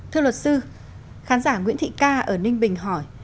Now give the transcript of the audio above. thưa luật sư khán giả nguyễn thị ca ở ninh bình hỏi